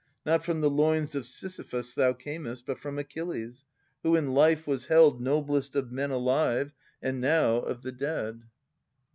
Not from the loins of Sis3rphus thou earnest. But from Achilles, who in life was held Noblest of men alive, and now o' the dead.